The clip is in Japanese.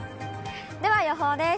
では予報です。